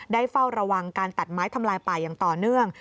เฝ้าระวังการตัดไม้ทำลายป่าอย่างต่อเนื่อง